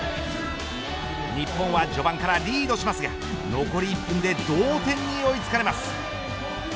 日本は序盤からリードしますが残り１分で同点に追いつかれます。